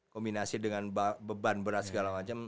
kombinasi dengan beban berat segala macam